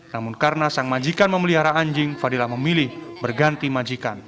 namun karena sang majikan memelihara anjing fadila memilih berganti majikan